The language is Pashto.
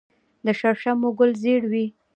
د شړشمو ګل ژیړ وي.